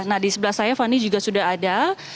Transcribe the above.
nah di sebelah saya fani juga sudah ada